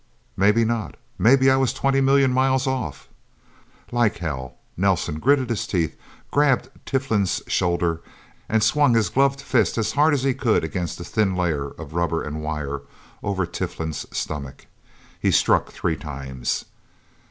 "Maybe not. Maybe I was twenty million miles off." "Like hell!" Nelsen gritted his teeth, grabbed Tiflin's shoulder, and swung his gloved fist as hard as he could against the thin layer of rubber and wire over Tiflin's stomach. He struck three times.